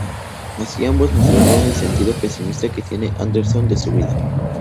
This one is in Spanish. Así ambos mostrarían el sentido pesimista que tiene Andersen de su vida.